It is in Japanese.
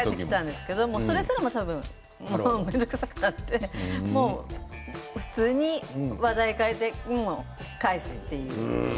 それすらも面倒くさくなって普通に話題を変えて返すという。